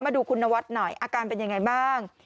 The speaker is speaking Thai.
มาดูคุณนวัดหน่อยอาการเป็นยังไงบ้าง